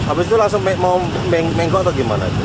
abis itu langsung mau menggok atau gimana